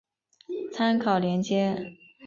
参考连结